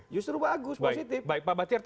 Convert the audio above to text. justru bagus positif